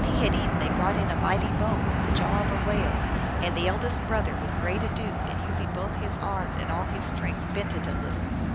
125 When he h id eaten, they brought in a mighty bone, the jaw of a whale, and the eldest brother, with ^reat ado, and using both his arms and all his strength, bent it a little.